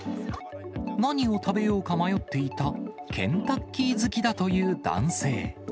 何を食べようか迷っていたケンタッキー好きだという男性。